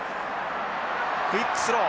クイックスロー。